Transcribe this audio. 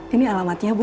ini alamatnya bu